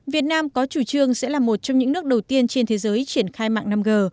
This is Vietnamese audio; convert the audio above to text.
việt nam có chủ trương sẽ là một trong những nước đầu tiên trên thế giới triển khai mạng năm g